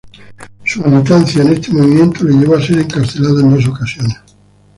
Su militancia en este movimiento le llevó a ser encarcelado en dos ocasiones.